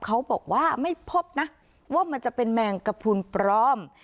เขาบอกว่าไม่พบนะว่ามันจะเป็นแมงกระพุนปลอม